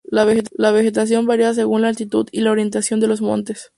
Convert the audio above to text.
La vegetación varía según la altitud y la orientación de los montes.